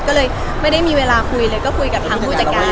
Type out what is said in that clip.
ก็เลยไม่ได้มีเวลาคุยเลยก็คุยกับทางผู้จัดการ